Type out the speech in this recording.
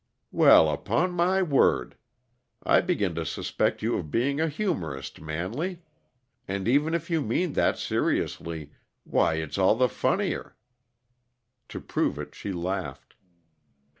"Well, upon my word! I begin to suspect you of being a humorist, Manley. And even if you mean that seriously why, it's all the funnier." To prove it, she laughed.